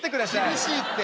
「厳しいって。